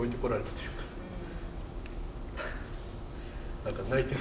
何か泣いてまう。